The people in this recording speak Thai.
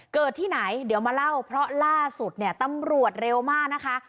เกิดที่ไหนเดี๋ยวมาเล่าเพราะล่าสุดเนี่ยตำรวจเร็วมากนะคะ